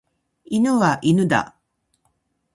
犬は犬だ。